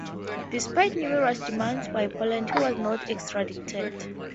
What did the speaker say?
Despite numerous demands by Poland, he was not extradited.